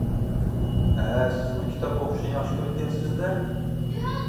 -ھە، سىزمۇ كىتاب ئۇقۇشنى ياخشى كۆرىدىكەنسىز ھە.